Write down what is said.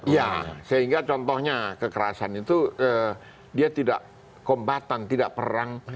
ya sehingga contohnya kekerasan itu dia tidak kombatan tidak perang